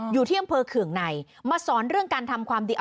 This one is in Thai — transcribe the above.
อยู่ที่อำเภอเคืองในมาสอนเรื่องการทำความดี